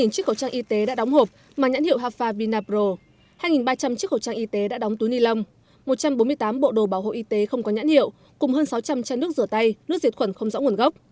một mươi chiếc khẩu trang y tế đã đóng hộp mà nhãn hiệu hafa vinapro hai ba trăm linh chiếc khẩu trang y tế đã đóng túi ni lông một trăm bốn mươi tám bộ đồ bảo hộ y tế không có nhãn hiệu cùng hơn sáu trăm linh chai nước rửa tay nước diệt khuẩn không rõ nguồn gốc